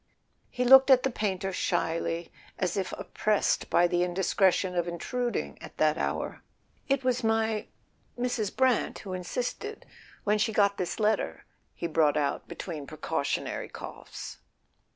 He looked at the painter shyly, as if oppressed by the indiscretion of intruding at that hour. "It was my—Mrs. Brant who insisted—when she got this letter," he brought out between precautionary coughs.